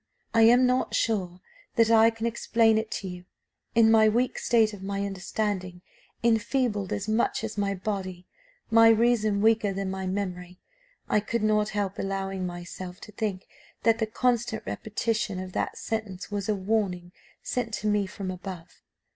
I am not sure that I can explain it to you. In my weak state, my understanding enfeebled as much as my body my reason weaker than my memory, I could not help allowing myself to think that the constant repetition of that sentence was a warning sent to me from above.